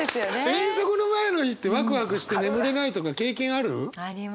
遠足の前の日ってワクワクして眠れないとか経験ある？ありますね。